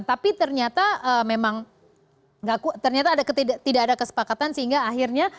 tapi ternyata memang ternyata tidak ada kesepakatan sehingga akhirnya